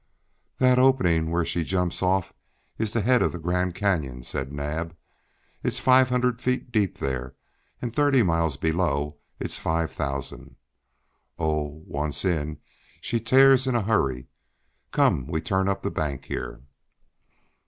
"That opening where she jumps off is the head of the Grand Canyon," said Naab. "It's five hundred feet deep there, and thirty miles below it's five thousand. Oh, once in, she tears in a hurry! Come, we turn up the bank here."